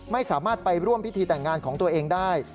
ไม่สามารถไปร่วมพิธีแต่งงานของตัวเองได้